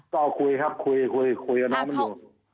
ก็คุยครับคุยกับน้องมันดู